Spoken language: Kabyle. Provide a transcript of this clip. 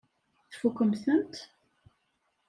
Tfukkem-tent?